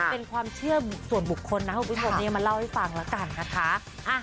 เป็นความเชื่อส่วนบุคคลนะครับวิทยาลัยมาเล่าให้ฟังละกันค่ะ